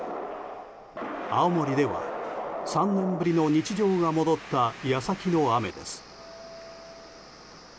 青森では３年ぶりの日常が戻った矢先の雨です。